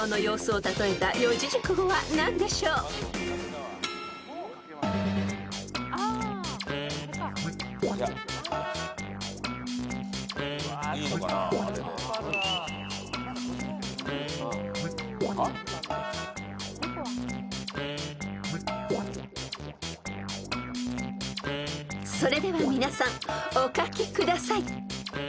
［それでは皆さんお書きください］